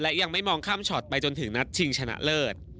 และยังไม่มองข้ามช็อตไปจนถึงนัดชิงชนะเลิศ